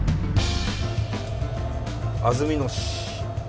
安曇野市。